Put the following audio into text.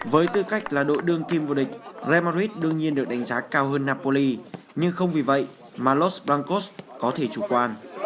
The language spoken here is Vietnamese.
với tư cách là đội đương kim vua địch real madrid đương nhiên được đánh giá cao hơn napoli nhưng không vì vậy mà los blancos có thể chủ quan